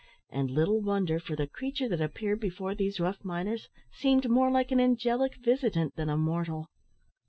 And little wonder, for the creature that appeared before these rough miners seemed more like an angelic visitant than a mortal.